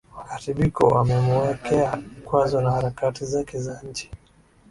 Wakati Biko wamemuwekea vikwazo na harakati zake za nchi